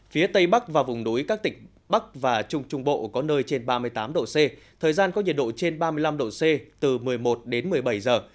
phía tây bắc và vùng đối các tỉnh bắc và trung trung bộ có nơi trên ba mươi tám độ c thời gian có nhiệt độ trên ba mươi năm độ c từ một mươi một đến một mươi bảy giờ